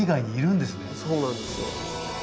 そうなんですよ。